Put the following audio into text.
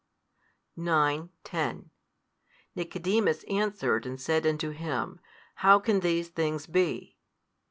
9, 10 Nicodemus answered and said unto Him, How can these things be?